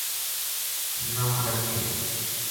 نہ لبھتی